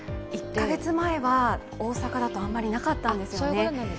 １か月前は大阪だとあまりなかったんですよね。